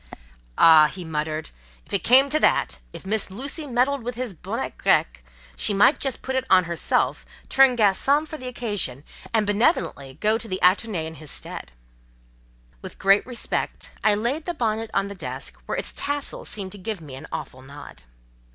"Ah!" he muttered, "if it came to that—if Miss Lucy meddled with his bonnet grec—she might just put it on herself, turn garçon for the occasion, and benevolently go to the Athénée in his stead." With great respect, I laid the bonnet on the desk, where its tassel seemed to give me an awful nod.